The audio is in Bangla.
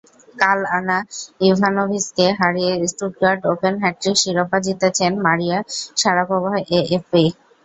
কাল আনা ইভানোভিচকে হারিয়ে স্টুটগার্ট ওপেনে হ্যাটট্রিক শিরোপা জিতেছেন মারিয়া শারাপোভা এএফপি।